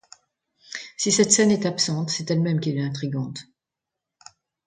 Si cette scène est absente, c'est elle-même qui est l'intrigante.